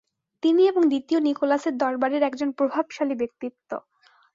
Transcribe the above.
তিনি এবং দ্বিতীয় নিকোলাসের দরবারের একজন প্রভাবশালী ব্যক্তিত্ব।